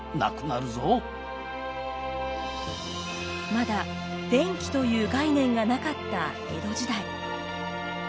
まだ電気という概念がなかった江戸時代。